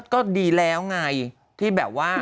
ก็ดีแล้วไงที่แบบว่า